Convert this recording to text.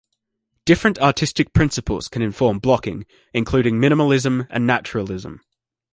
Different artistic principles can inform blocking, including minimalism and naturalism.